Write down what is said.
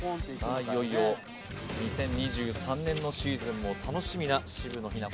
いよいよ２０２３年のシーズンも楽しみな渋野日向子